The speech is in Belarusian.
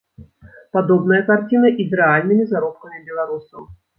Падобная карціна і з рэальнымі заробкамі беларусаў.